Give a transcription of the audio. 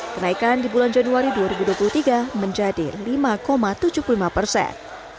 kenaikan di bulan januari dua ribu dua puluh tiga menjadi lima tujuh puluh lima persen